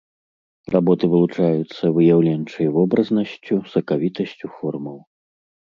Работы вылучаюцца выяўленчай вобразнасцю, сакавітасцю формаў.